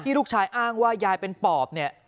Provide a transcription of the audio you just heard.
ลูกชายอ้างว่ายายเป็นปอบเนี่ย